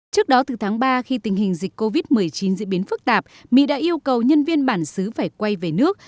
trước đó từ tháng ba khi tình hình dịch covid một mươi chín diễn biến phức tạp mỹ đã yêu cầu nhân viên bản xứ phải quay về nước